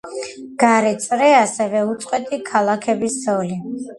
გარე წრე, ასევე უწყვეტი ქალაქების ზოლი.